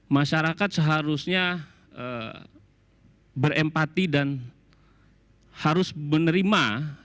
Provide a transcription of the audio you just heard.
masyarakat seharusnya berempati dan harus menerima